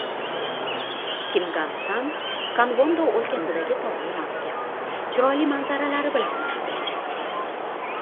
Kimgansan — Konvondo o‘lkasidagi tog‘li maskan, chiroyli manzaralari bilan mashhur.